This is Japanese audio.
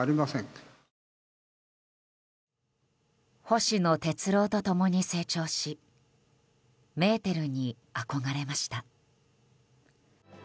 星野鉄郎と共に成長しメーテルに憧れました。